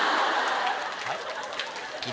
はい？